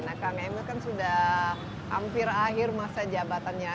nah kang emil kan sudah hampir akhir masa jabatannya